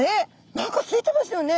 何かついてますよね。